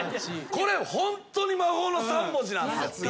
これホントに魔法の３文字なんすよ。